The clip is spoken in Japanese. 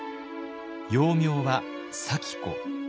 幼名は咲子。